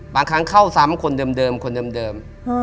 บางครั้งเข้าซ้ำคนเดิม